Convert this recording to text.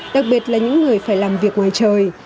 đặc biệt là những người phải làm việc ngoài trời